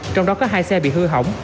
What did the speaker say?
trong đó có hai xe bị hư hỏng